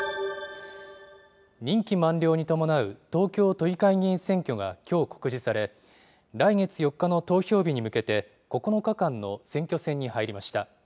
任期満了に伴う東京都議会議員選挙がきょう告示され、来月４日の投票日に向けて、９日間の選挙戦に入りました。